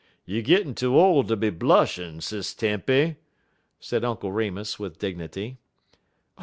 "You gittin' too ole ter be blushin', Sis Tempy," said Uncle Remus with dignity.